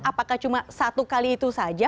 apakah cuma satu kali itu saja